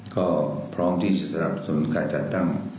ก็พร้อมที่จะสนับสนุนการจัดตั้ง